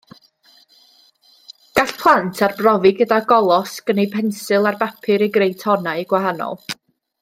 Gall plant arbrofi gyda golosg neu bensil ar bapur i greu tonau gwahanol